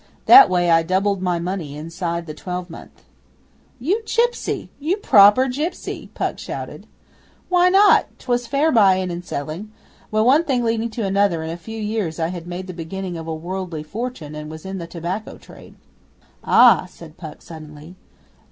That way, I doubled my money inside the twelvemonth.' 'You gipsy! You proper gipsy!' Puck shouted. 'Why not? 'Twas fair buying and selling. Well, one thing leading to another, in a few years I had made the beginning of a worldly fortune and was in the tobacco trade.' 'Ah!' said Puck, suddenly.